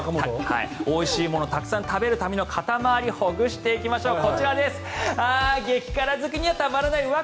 おいしいものをたくさん食べるためには肩回りをほぐしていきましょう。